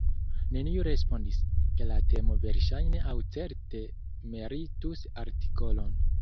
Neniu respondis, ke la temo verŝajne aŭ certe meritus artikolon.